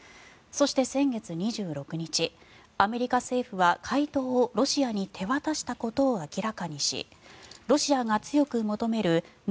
そして先月２６日アメリカ政府は回答をロシアに手渡したことを明らかにしロシアが強く求めるＮＡＴＯ